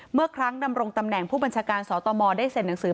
เมื่อครั้งดำรงตำแหน่งผู้บัญชาการสตมได้เซ็นหนังสือ